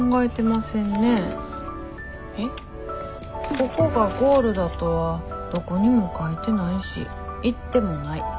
ここがゴールだとはどこにも書いてないし言ってもない。